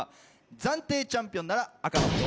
暫定チャンピオンなら赤の札。